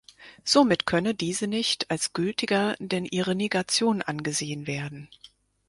Somit könne diese nicht als gültiger denn ihre Negation angesehen werden.